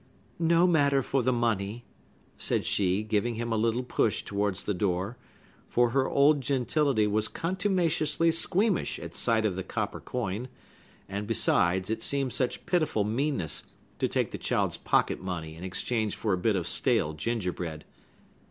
"No matter for the money," said she, giving him a little push towards the door; for her old gentility was contumaciously squeamish at sight of the copper coin, and, besides, it seemed such pitiful meanness to take the child's pocket money in exchange for a bit of stale gingerbread.